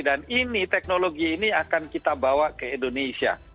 dan ini teknologi ini akan kita bawa ke indonesia